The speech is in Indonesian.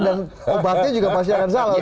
dan obatnya juga pasti akan salah